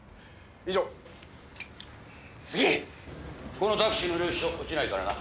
このタクシーの領収書落ちないからな。